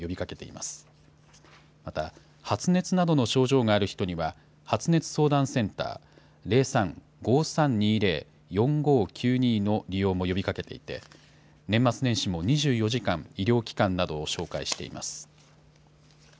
また、発熱などの症状がある人には、発熱相談センター、０３ー５３２０ー４５９２の利用も呼びかけていて、年末年始も２４時間、医療機関などを紹介しています。